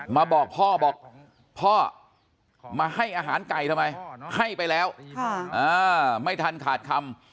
มาบอกพ่อบอกพ่อมาให้อาหารไก่ทำไมให้ไปแล้วไม่ทันขาดคำ